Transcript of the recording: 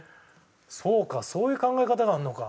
そうかそういう考え方があるのか。